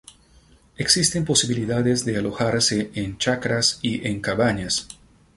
Existen posibilidades de alojarse en chacras y en cabañas.